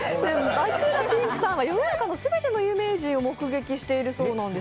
街裏ぴんくさんは世の中の全ての有名人を目撃しているそうなんです。